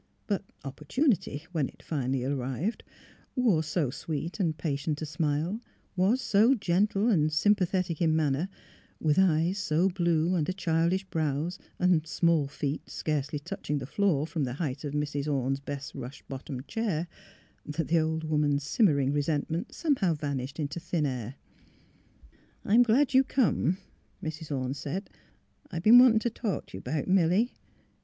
But Op portunity, when it finally arrived, wore so sweet and patient a smile, was so gentle and sympathetic in manner, with eyes so blue under childish brows, and small feet scarce touching the floor from the height of Mrs. Orne's best rush bottomed chair, 136 THE HEART OF PHILURA that the old woman's simmering resentment some how vanished into thin air. ''I'm glad you come," Mrs. Orne said, '' I've been wantin' t' talk t' you 'bout Milly.